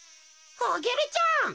アゲルちゃん。